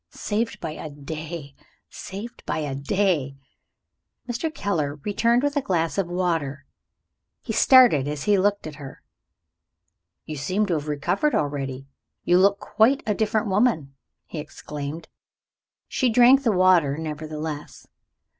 Saved by a day! Saved by a day!" Mr. Keller returned with a glass of water. He started as he looked at her. "You seem to have recovered already you look quite a different woman!" he exclaimed. She drank the water nevertheless.